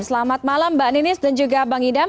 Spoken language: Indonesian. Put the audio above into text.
selamat malam mbak ninis dan juga bang idam